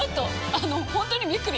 あの本当にびっくり！